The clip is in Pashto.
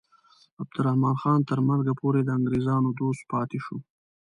عبدالرحمن خان تر مرګه پورې د انګریزانو دوست پاتې شو.